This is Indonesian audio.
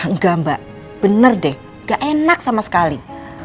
nggak mbak benar deh nggak enak sama sekali